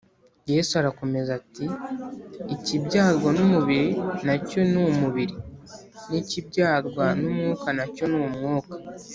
Yesu arakomeza ati : “Ikibyarwa n’umubiri na cyo ni umubiri, n’ikibyarwa n’Umwuka na cyo ni umwuka.